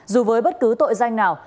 dù với bất cứ tội danh nào